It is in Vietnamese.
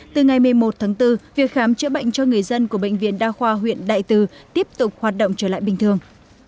từ ngày một mươi một tháng bốn việc khám chữa bệnh cho người dân của bệnh viện đa khoa huyện đại từ tiếp tục hoạt động trở lại bình thường